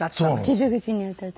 傷口に当たった。